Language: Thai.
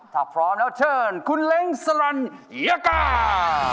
ถ้าพร้อมแล้วเชิญคุณเล้งสรรยากา